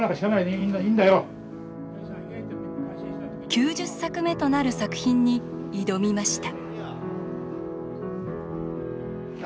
９０作目となる作品に挑みました。